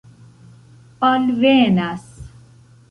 alvenas